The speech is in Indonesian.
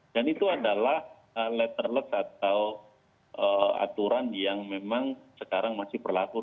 dan itu adalah letterless atau aturan yang memang sekarang masih berlaku